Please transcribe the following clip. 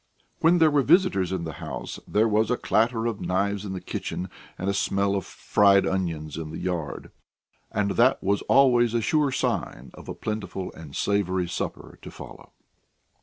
When there were visitors in the house, there was a clatter of knives in the kitchen and a smell of fried onions in the yard and that was always a sure sign of a plentiful and savoury supper to follow.